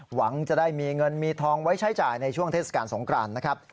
หวังจะได้มีเงินมีทองไว้ใช้จ่ายในช่วงเทศกาลสงครานนะครับ